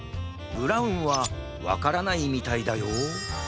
ブラウンはわからないみたいだよ